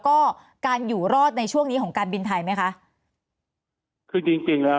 ก็การอยู่รอดในช่วงนี้ของการบินไทยไหมคะคือจริงจริงแล้ว